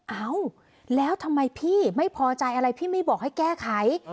เอ้าแล้วทำไมพี่ไม่พอใจอะไรพี่ไม่บอกให้แก้ไข